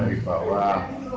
tidak lihat dari bawah